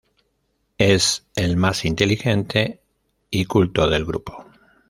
Es el más inteligente y culto del grupo.